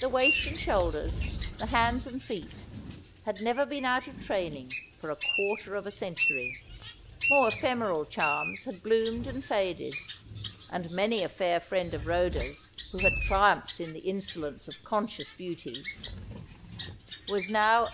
The waist and shoulders, the hands and feet, had never been out of train ing for a quarter of a century. More ephemeral charms had bloomed and faded ; and many a fair friend of Rhoda's who had triumphed in the insolence of conscious beauty was now a^Jo.s